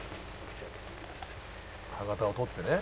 「歯型を取ってね」